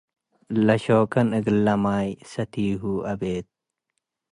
ለሾከን እግል ለማይ ሰቲሁ አቤት።